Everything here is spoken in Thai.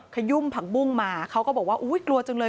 ขยุ่มผักบุ้งมาเขาก็บอกว่าอุ๊ยกลัวจังเลย